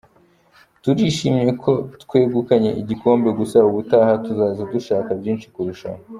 Turishimye ko twegukanye igikombe gusa ubutaha tuzaza duashaka byinshi kurushaho.